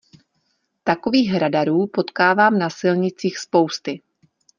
Takových radarů potkávám na silnicích spousty.